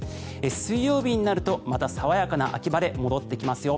水曜日になるとまた爽やかな秋晴れが戻ってきますよ。